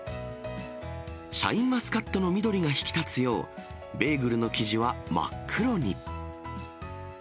シャインマスカットの緑が引き立つよう、ベーグルの生地は真っ黒に。